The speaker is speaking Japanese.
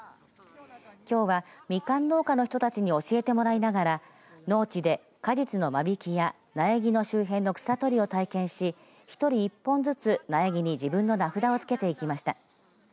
きょうはみかん農家の人たちに教えてもらいながら農地で果実の間引きや苗木の周辺の草取りを体験し１人１本ずつ、苗木に自分の名札をつけていきました。